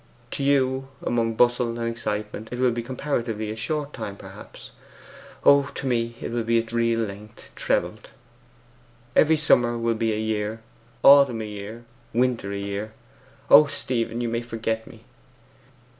To you, among bustle and excitement, it will be comparatively a short time, perhaps; oh, to me, it will be its real length trebled! Every summer will be a year autumn a year winter a year! O Stephen! and you may forget me!